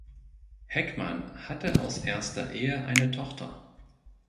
Heckmann hatte aus erster Ehe eine Tochter.